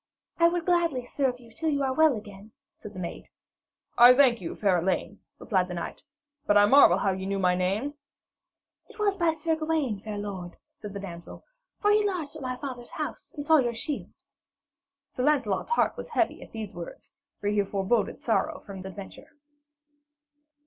'I would gladly serve you till you are well again,' said the maid. 'I thank you, fair Elaine,' replied the knight, 'but I marvel how ye knew my name?' 'It was by Sir Gawaine, fair lord,' said the damsel, 'for he lodged at my father's house and saw your shield.' Sir Lancelot's heart was heavy at these words, for he foreboded sorrow from this adventure.